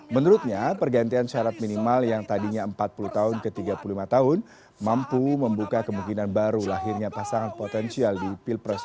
menurutnya pergantian syarat minimal yang tadinya empat puluh tahun ke tiga puluh lima tahun mampu membuka kemungkinan baru lahirnya pasangan potensial di pilpres dua ribu dua puluh